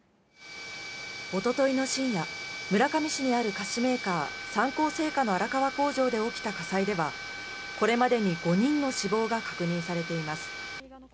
一昨日の深夜、村上市にある菓子メーカー・三幸製菓の荒川工場で起きた火災では、これまでに５人の死亡が確認されています。